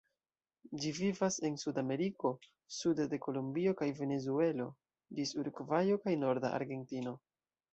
Ĝi vivas en Sudameriko, sude de Kolombio kaj Venezuelo ĝis Urugvajo kaj norda Argentino.